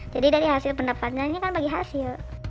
jadi dari hasil pendapatannya ini kan bagi hasil